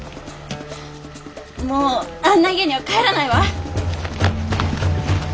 もうあんな家には帰らないわ！